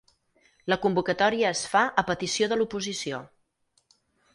La convocatòria es fa a petició de l'oposició